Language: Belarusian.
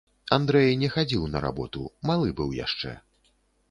Андрэй не хадзіў на работу, малы быў яшчэ.